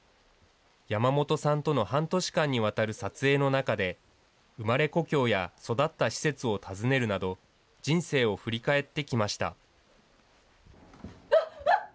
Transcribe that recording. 山本さんとの半年間にわたる撮影の中で、生まれ故郷や育った施設を訪ねるなど、人生を振り返ってきました。